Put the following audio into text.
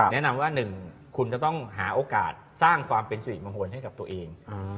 แนะนำว่า๑คุณจะต้องหาโอกาสสร้างความเป็นสิริมงคลให้กับตัวเอง